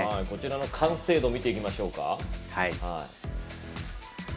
こちらの完成度見てみましょうか。